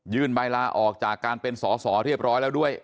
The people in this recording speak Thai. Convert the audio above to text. ใบลาออกจากการเป็นสอสอเรียบร้อยแล้วด้วย